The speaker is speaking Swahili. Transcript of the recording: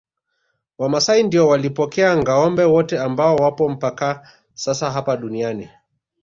Wamasai ndio walipokea ngâombe wote ambao wapo mpaka sasa hapa duniani